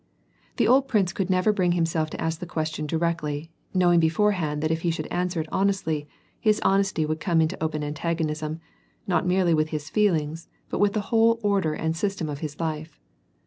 The old prince could never bring himself to ask the question directly, knowing beforehand that if he should answer it honestly, his honesty would come into open antagonism, not merely with his feelings, but with the whole order and system of his life.